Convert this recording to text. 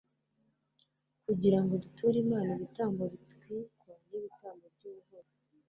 kugira ngo duture imana ibitambo bitwikwa n'ibitambo by'ubuhoro